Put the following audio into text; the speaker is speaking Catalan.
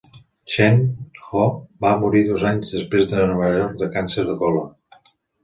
Chen Ho va morir dos anys després a Nova York de càncer de còlon.